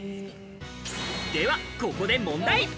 では、ここで問題。